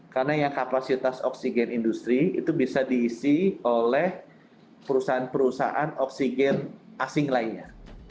karena yang kapasitas oksigen industri itu bisa diisi oleh perusahaan perusahaan oksigen asing lainnya